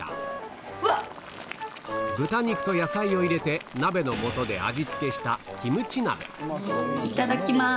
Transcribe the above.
豚肉と野菜を入れて鍋のもとで味付けしたいただきます。